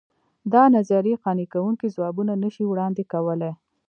دا نظریې قانع کوونکي ځوابونه نه شي وړاندې کولای.